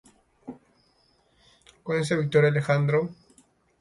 Con esta victoria Alejandro impidió una invasión a su reino por los ilirios.